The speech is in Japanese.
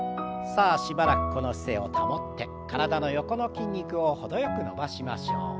さあしばらくこの姿勢を保って体の横の筋肉を程よく伸ばしましょう。